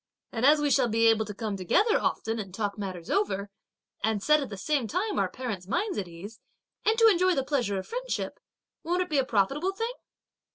And as we shall be able to come together often and talk matters over, and set at the same time our parents' minds at ease, and to enjoy the pleasure of friendship, won't it be a profitable thing!"